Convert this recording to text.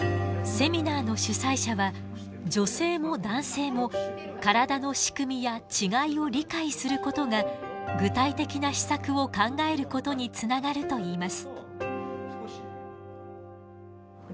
セミナーの主催者は女性も男性も体の仕組みや違いを理解することが具体的な施策を考えることにつながるといいます。